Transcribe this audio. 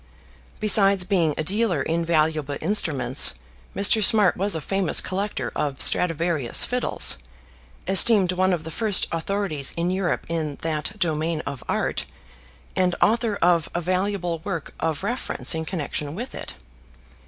Besides being a dealer in valuable instruments, Mr. Smart was a famous collector of Stradivarius fiddles, esteemed one of the first authorities in Europe in that domain of art, and author of a valuable work of reference in connection with it.